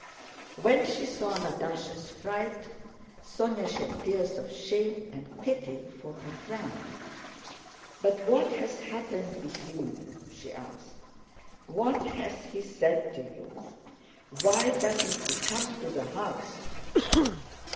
When she saw Natásha's fright, Sónya shed tears of shame and pity for her friend. "But what has happened between you?" she asked. "What has he said to you? Why doesn't he come to the house?"